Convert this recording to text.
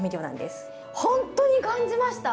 ほんとに感じました！